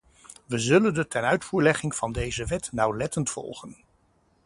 We zullen de tenuitvoerlegging van deze wet nauwlettend volgen.